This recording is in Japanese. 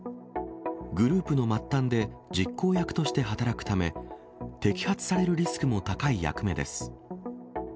グループの末端で実行役として働くため、摘発されるリスクも高い役目です。